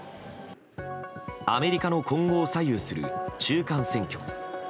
アメリカの今後を左右する中間選挙。